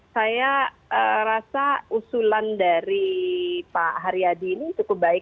saya rasa usulan dari pak haryadi ini cukup baik